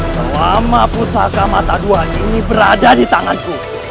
selama pusaka mata dua ini berada di tanganku